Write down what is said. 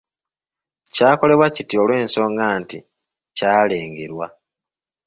Kyakolebwa kiti olw’ensonga nti kyalengerwa.